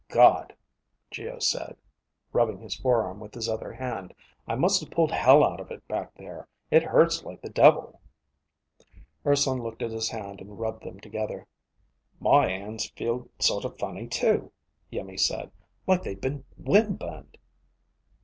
"God," Geo said, rubbing his forearm with his other hand. "I must have pulled hell out of it back there. It hurts like the devil." Urson looked at his hand and rubbed them together. "My hands feel sort of funny too," Iimmi said. "Like they've been wind burned."